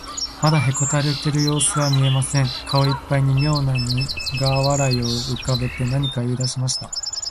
まだへこたれたようすは見えません。顔いっぱいにみょうなにが笑いをうかべて、何かいいだしました。